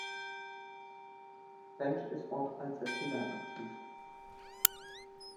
Frensch ist auch als Erzähler aktiv.